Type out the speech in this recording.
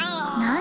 何？